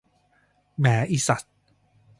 แหมอิสัส